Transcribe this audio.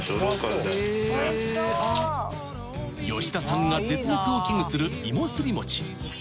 吉田さんが絶滅を危惧するいもすりもち